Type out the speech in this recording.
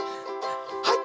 はい！